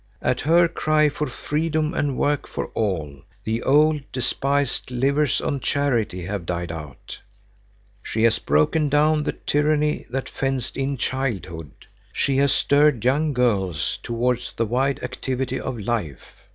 At her cry for freedom and work for all, the old, despised livers on charity have died out. She has broken down the tyranny that fenced in childhood. She has stirred young girls towards the wide activity of life.